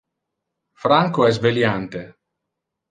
Franco es veliante.